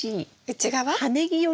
内側？